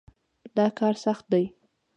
دا کار سخت دی.